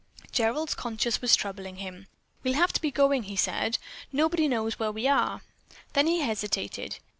Gerald's conscience was troubling him. "We'll have to be going," he said. "Nobody knows where we are." Then he hesitated.